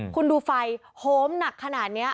คุณดูไฟโหมหนักขนาดนี้